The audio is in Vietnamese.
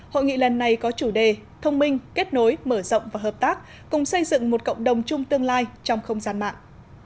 hội nghị lần này có chủ đề thông minh kết nối mở rộng và hợp tác cùng xây dựng một cộng đồng chung tương lai trong không gian mạng